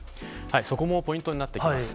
そこもポイントになってきます。